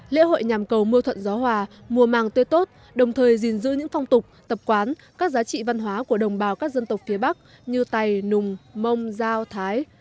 lễ hội nhằm cầu mưa thuận gió hòa mùa màng tươi tốt đồng thời gìn giữ những phong tục tập quán các giá trị văn hóa của đồng bào các dân tộc phía bắc như tày nùng mông giao thái